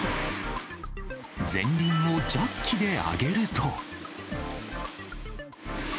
前輪をジャッキで上げると。